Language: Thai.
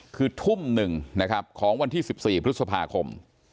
คือทุ่ม๑ของวันที่๑๔พฤษภาคม